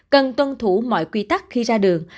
cần tuân thủ mọi quy tắc khi ra đường